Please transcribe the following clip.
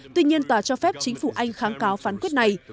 tuy nhiên tòa cho phép chính phủ anh kháng cáo phán quyết này